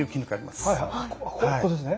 ここですね。